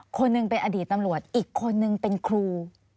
คนหนึ่งเป็นอดีตตำรวจอีกคนนึงเป็นครู